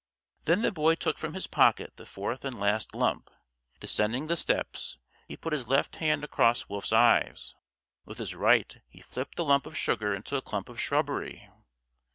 Then the Boy took from his pocket the fourth and last lump. Descending the steps, he put his left hand across Wolf's eyes. With his right he flipped the lump of sugar into a clump of shrubbery.